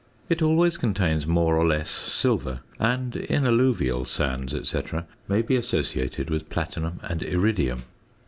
It always contains more or less silver, and, in alluvial sands, &c., may be associated with platinum and iridium.